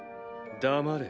黙れ。